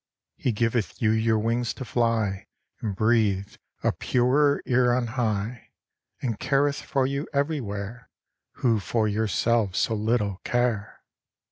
"He giveth you your wings to fly And breathe a purer air on high, And careth for you everywhere, Who for yourselves so little care!"